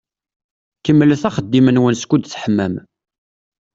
Kemmlet axeddim-nwen skud teḥmam.